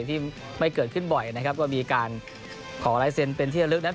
ที่ไม่เกิดขึ้นบ่อยนะครับก็มีการขอลายเซ็นต์เป็นที่ระลึกนั้น